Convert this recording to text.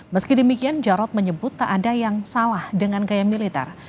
meski demikian jarod menyebut tak ada yang salah dengan gaya militer